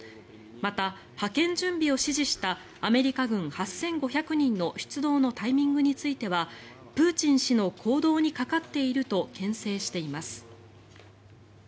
また、派遣準備を指示したアメリカ軍８５００人の出動のタイミングについてはプーチン氏の行動にかかっているとけん制しています。